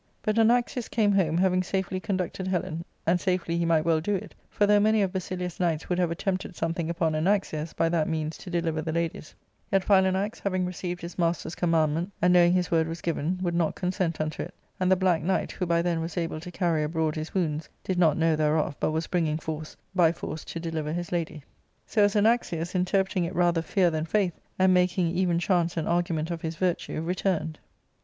But Anaxius came home, having safely conducted Helen ; and safely he might well do it, for, though many of Basilius' knights would have attempted something upon Anaxius, by that means to deliver the ladies, yet Philanax, having received his master's commandment, and knowing his word was gfiven, would not consent unto it ; and the Black Knight, who by then was able to carry abroad his wounds, did not know thereof, but was bringing force, by force to deliver his lady. So as Anaxius, interpreting it rather fear than faith, and making even chance an argument of his virtue, returned, and, ARCADIA, ^Bodk III.